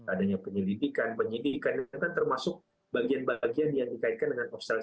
adanya penyelidikan penyidikan itu kan termasuk bagian bagian yang dikaitkan dengan hal hal yang lain